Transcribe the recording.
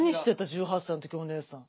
１８歳の時お姉さん。